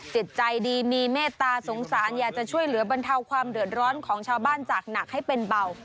จิตใจดีมีเมตตาสงสารอยากจะช่วยเหลือบรรเทาความเดือดร้อนของชาวบ้านจากหนักให้เป็นเบา